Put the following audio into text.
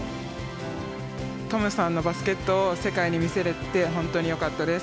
トムさんのバスケットを世界に見せれて、本当によかったです。